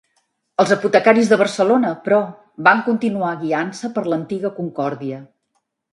Els apotecaris de Barcelona, però, van continuar guiant-se per l'antiga Concòrdia.